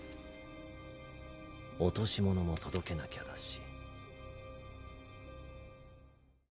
落とし物も届けなきゃだし。